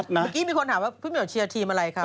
เมื่อกี้มีคนถามว่าพี่เหี่ยวเชียร์ทีมอะไรคะ